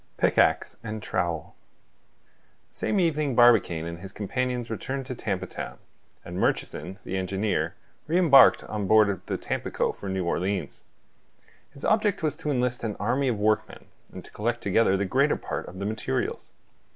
PICKAXE AND TROWEL The same evening Barbicane and his companions returned to Tampa Town; and Murchison, the engineer, re embarked on board the Tampico for New Orleans. His object was to enlist an army of workmen, and to collect together the greater part of the materials.